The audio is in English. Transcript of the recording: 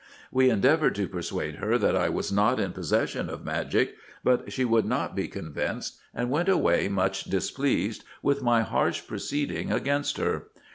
We endeavoured to persuade her that I was not in possession of magic ; but she would not be convinced, and went away much displeased with my harsh proceeding against her.